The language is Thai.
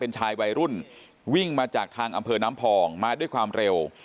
ชายวัยรุ่นวิ่งมาจากทางอำเภอน้ำพองมาด้วยความเร็ว